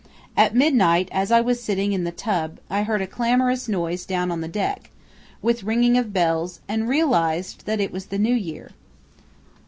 At midnight, as I was sitting in the 'tub' I heard a clamorous noise down on the deck, with ringing of bells, and realized that it was the New Year."